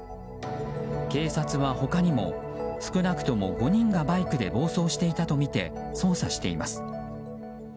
警察は、他にも少なくとも５人がバイクで暴走していたとみて捜査しています。